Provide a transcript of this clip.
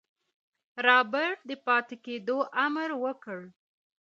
رابرټ د پاتې کېدو امر وکړ.